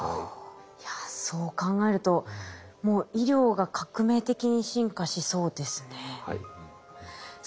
いやそう考えるともう医療が革命的に進化しそうですね。